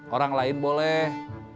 orang lain boleh